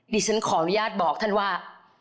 ดิฉันขออนุญาตบอกท่านว่า